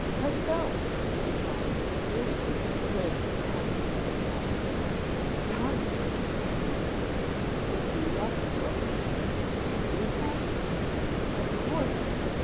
"Let go!" he cried, feeling the Painted Lady's talons in his neck. "Tommy!" was the answer. "It's you, Elspeth?" "Is it you, Tommy?" "Of course.